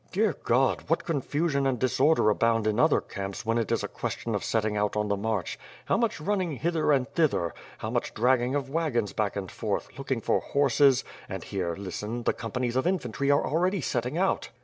"Dear God! What con fusion and disorder abound in other camps when it is a ques tion of setting out on the march. How much running hither and thither, how much dragging of wagons back and forth, looking for horses — and here, listen, the companies of in fantry are already setting out."